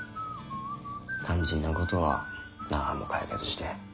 肝心なことは何も解決してへん。